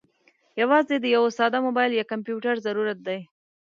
یوازې د یوه ساده موبايل یا کمپیوټر ضرورت دی.